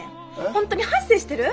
本当に反省してる？